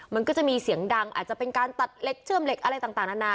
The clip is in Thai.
มันก็จะมีเสียงดังอาจจะเป็นการตัดเหล็กเชื่อมเหล็กอะไรต่างนานา